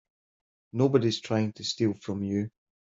Nobody's trying to steal from you.